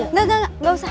nggak nggak nggak gak usah